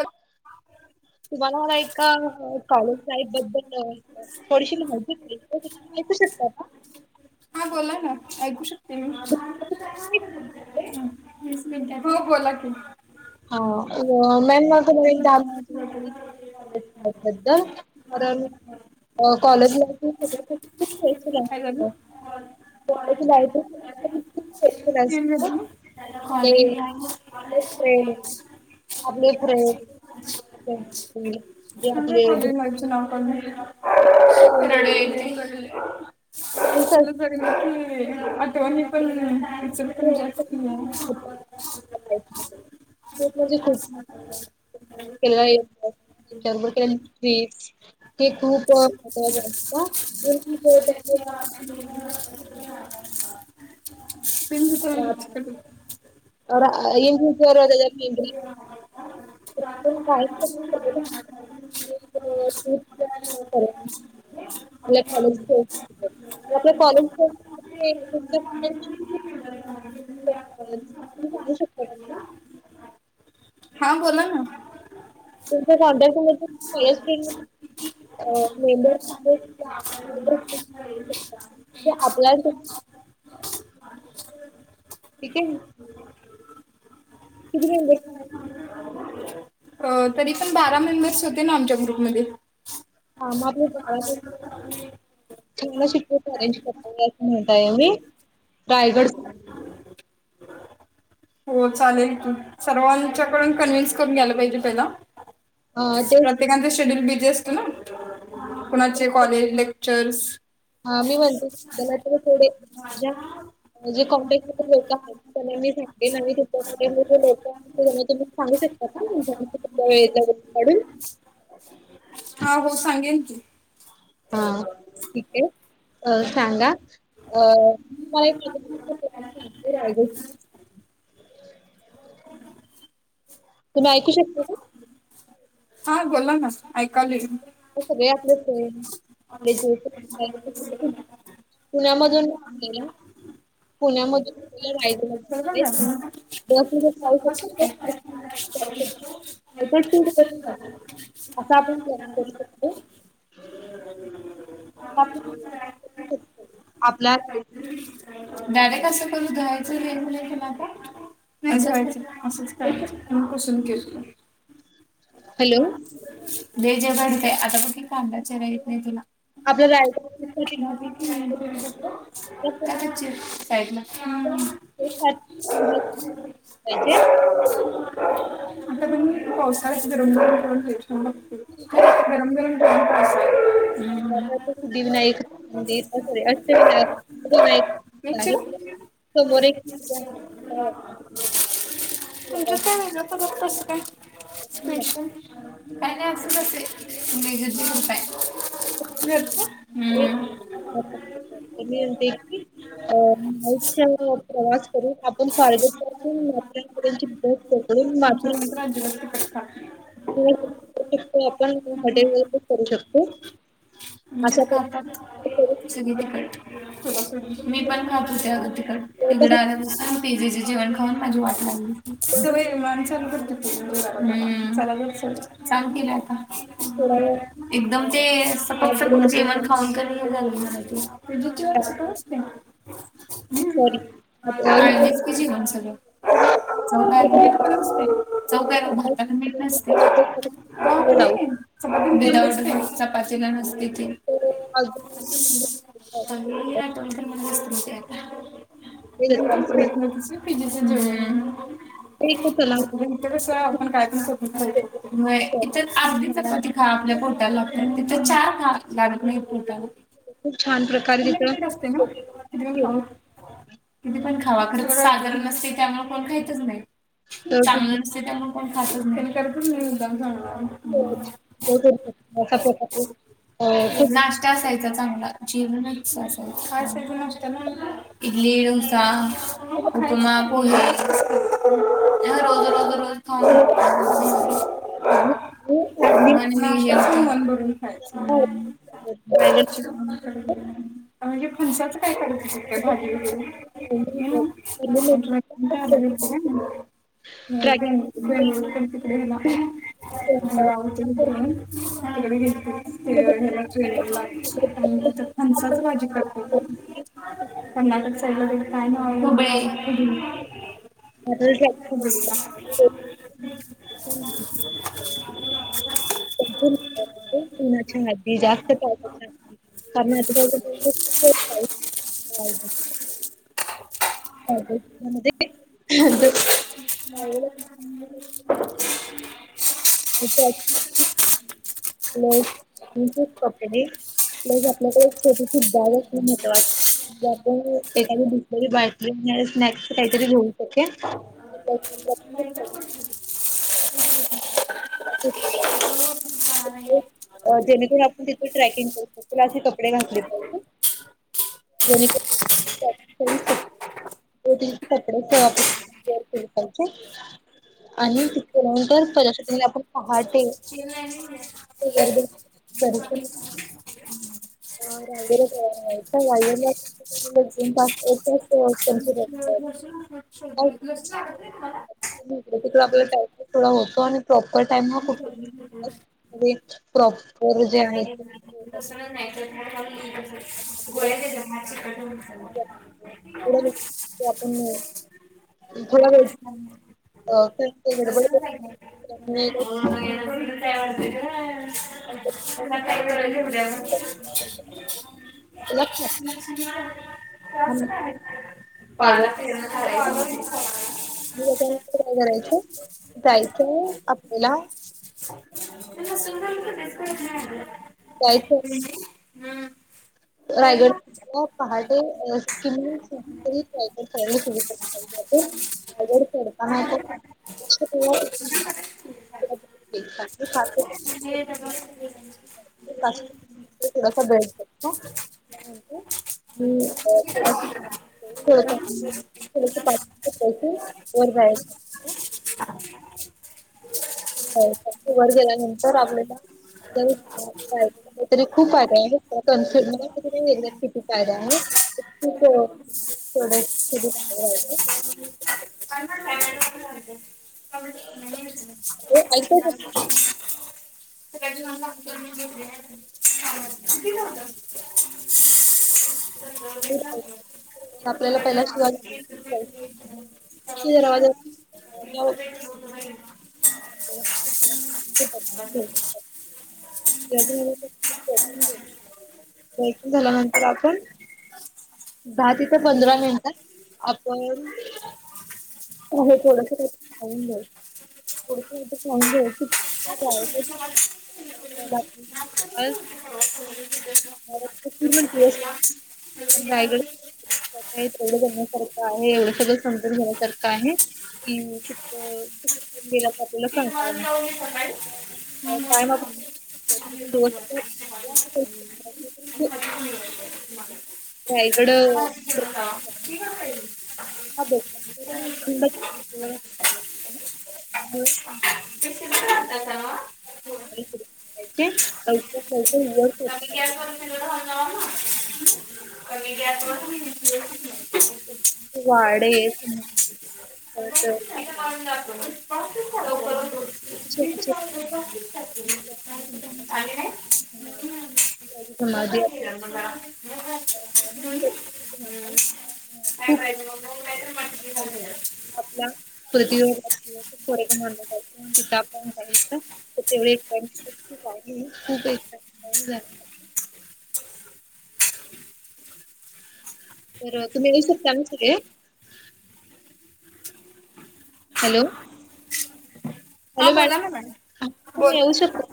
हा तुम्हा मला एका कॉलेज लाईफ बद्दल. थोडीशी माहिती घ्याची. ऐकू शकताय का. हा बोला ना ऐकू शकते मी. दहा मिनिटाची वेळ आहे का तुमच्याकडे? वीस मिनट हो बोला की. हा अ मॅम. द्दल कारण. अ कॉलेज लाईफ प्रत्येका साठी खुप केअर फूल काय झालं असत. कॉलेज लाईफ हे प्रत्येकासाठी खूप केअरफुल असतं. ते कॉलेज आपल खरे. [inaudible] रडू येतय. फ्रेंड्स असतात असल गरज पण खूप नाही. [unintelligible] [unintelligible] केलेला अभ्यास, [unintelligible] [unintelligible] [inaudible] पेन घेतो. [unintelligible] [unintelligible] [unintelligible] [unintelligible] [unintelligible] आपल्या कॉलेज [unintelligible] [unintelligible] हां बोला ना [unintelligible] मेंबर्स आहेत ते आपल्याबरोबर [unintelligible] खूप शकतात म्हणजे आपल्या ठीक [unintelligible] [unintelligible] [unintelligible] अ, तरी पण बारा मेंबर्स होते ना आमच्या ग्रुपमध्ये [unintelligible] [unintelligible] [unintelligible] [inaudible] हो चालेल की सर्वांच्याकडून कन्व्हिन्स करून घ्यायला पाहिजे पहिला अ ते प्रत्येकचा शेड्यूल बिझी असतो ना कुणाचे कॉलेज लेक्चर्स हा मी म्हणते की [unintelligible] माझ्या जे कॉन्टॅक्ट मध्ये लोक आहेत त्यांना मी [unintelligible] त्यांना तुम्ही सांगू शकता का वेळ काढून [inaudible] [unintelligible] हा हो सांगेन की हा ठीक आहे अ सांगा अ तुम्हाला [unintelligible] [unintelligible] तुम्ही ऐकू शकता का हा बोला ना ऐकालोय मी. सगळे आपले आपले [unintelligible] पुण्यामधून ना आपल्याला पुण्यामधून आपल्याला राय जाऊ शकतो का [unintelligible] जाऊ शकतो नाहीतर टू [unintelligible] बगु शकतो. [unintelligible] आपला डायरेक्ट असं करू घ्यायचं नाही [unintelligible] असंच करायच [unintelligible] केल. हॅलो. व्हेज हाय बरकाय आता बघ की कांदा चीराय येत नाही तिला. आपल्या रायगड [unintelligible] साईट ला. [unintelligible] पाहिजे आता पण पावसाळ्याची [unintelligible] गरम गरम टाइम पास. [inaudible] बगा ते सिद्धिविनायक ते आष्ट अष्टविनायक मिक्सर आहेत. समोर एक. तुमच्यात काय झालं परत कस काय. स्पेशल. काय नाय असाच असतंय, मेघरची कृपाय. घरच? त [unintelligible] अ नाईटचा प्रवास करून आपण स्वारगेट पासून म्होपऱ्या पर्यंतची बस पकडू. मात्र. ब का [unintelligible] जेवण काय आपण हॉटेल वार पण करू शकतो. आमच्यात अशा खातात, प्रकारे करू सगळं तिखट मी शकतो पण खात होते आगोदर. तर इिकडें तसंच आल्याासून [unintelligible] जेवण खाऊन माझी वाट लागली. आपण थोडा वेळ [unintelligible] एकदम ते अ सपक सपक जेवण खाऊन किनाही मान उडालंय. सॉरी हा आळणीच की जेवण सगळं. चौव काय. मीठ तर असते का चौव कायगभातात मीठ नसते बात रे. चपाती. तला नसते लय आठवन काढलेस की. म्हणून तू खाहीत नव्हतेस पिजेच जेवन. ते [unintelligible] आप इथे तिथे कसं आपण काय पण ककरून खाऊ खूप शकतो. व्हय इथे आरधी चपाटी खा आपल्या पोटाला. तिथ चार खा काही लागत नाही पोटाला. खूप छान प्रकारे तिथं लिमिटेड असते ना. किती पण खावा खर साजर नसते त्यामुळे कोण खायचच नाही. चांगलं नसते त्यामुळे णन खातच नाही. करतच नाही मुदाम चांगल. हो. नाश्ता असायचा चांगला. काय आसयच नाश्त्याला, एडली, डोसा, उपमा म पोहे रोज कसाकाय अ रोज रोज खूप रोज. [unintelligible] म्हणजे फण [unintelligible] काय कर भा ट्रॅकिंग [unintelligible] ना [unintelligible] [unintelligible] ते्याला टेर ला खणसाच भाजी करते त. कर्नाटक सईड काय दुब [inaudible] [unintelligible] हदी जास्त पा हो. [unintelligible] खूप पकडे पलस आपल्याकडे एक छेट सुद्धा महत्त् वात. एखादी दुसरी बाटली आणि स्नॅक्स काहीतरी घेऊन [inaudible] जेणेकरून आपण [unintelligible] दो तीन कपडे साफ. [inaudible] हट. [unintelligible] [unintelligible] शोध लस लागतय तुम्हाला तिक आपला टाम थोडा होतो आणि प्रॉपर टाइम हा कुठे प्रॉप [unintelligible] नाही [unintelligible] नाही नाही थोडं ते आपण [unintelligible] [inaudible] गडबड स त्यामुळे [unintelligible] [unintelligible] आपला [unintelligible] [unintelligible] पाला फिरण ठरायच [unintelligible] म काय करायचं जायचंय आपल्याला [unintelligible] त सुंदर दिस जायचं नाही ह [unintelligible] रायगड पहाटे तरी रायगड चढायला सुरु कर. [unintelligible] [unintelligible] डता [unintelligible] [unintelligible] [unintelligible] [unintelligible] [unintelligible] घर गेल्यानंतर आपल्याला [unintelligible] थोडे [unintelligible] [unintelligible] ये ऐकतोय का. आपल्याला पहिला शिवाजी [unintelligible] मुख्य दरवाजा [unintelligible] [unintelligible] [unintelligible] दर्शन झाल्यानंतर आपण दहा तिथ पंधरा मिनिट आपण अ थोडस. [unintelligible] [unintelligible] [unintelligible] हे तेवढं जण्यासारखं आहे एवढं सगळं समजून घेण्यासारखं आहे की खुप गेला तर आपल्याला कंटाळा. ना हं दिवस बोल हा [unintelligible] या इकडं [unintelligible] चे लवकर लवकर वर पोहोचलं कमी पाहिजे. गॅसवर लावण कमी गॅस वर [unintelligible] [unintelligible] [unintelligible] आपण [unintelligible] [unintelligible] आपल्या पृथ फोरक तिथ आप तेवढ खूप आहे इथ [inaudible] तर तुम्ही सुट्या नसात्या ये का? हॅलो. हा हॅलो बोला ना मॅडम तुम्ही बोल येऊ शकता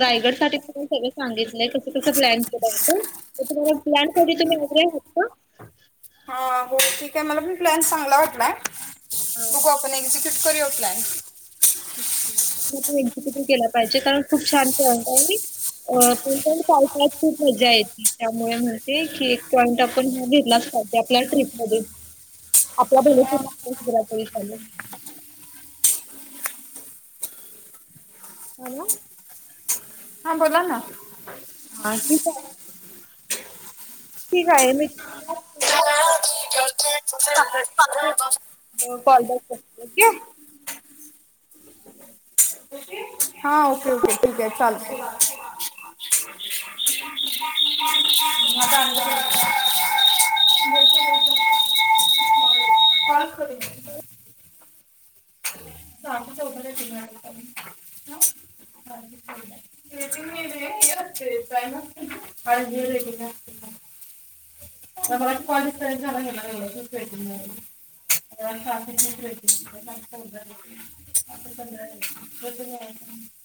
रायगडसाठी सगळं सांगितलंय तस कसं प्लॅन केलं आपण तुम्हाला प्लॅन तुम्ही प्रोग्राम आहेत का? हा हो. ठीक आहे मला पण प्लॅन चांगला वाटलाय हा बघूया आपण एक्झिक्युट करुया प्लॅन. एक्झिक्युट केला पाहिजे कारण खूप छान पॉईंट आहे होय आपण पण कायकत खूप मजा येती, त्यामुळे म्हणते की एक पॉईंट आपण हा घेतला आपल्या आपल्या ट्रीप मध्ये आपल्या बहिणी [unintelligible] [inaudible] हॅलो. हा बोला ना? हा ठीक आहे. ठीक आहे मी. [unintelligible] [inaudible] हो कॉल बॅक करते. ओके. हा ओके. ओके ठीक हाय चालते. म आता चालले का काय? काय घे जा की, का? मगाशी कॉल कट झाला आणि ह्यांना लागला [unintelligible] [unintelligible]